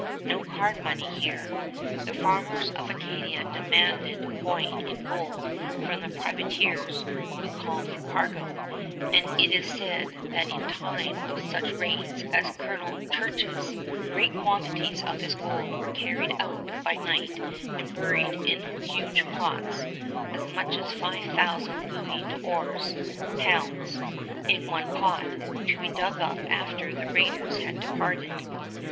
No card money here! The farmers of Acadia demanded coin in gold from the privateers who called for cargo, and it is said that in time of such raids as Colonel Church's, great quantities of this gold were carried out by night and buried in huge pots, as much as 5000 louis d'ors (pounds) in one pot, to be dug up after the raiders had departed.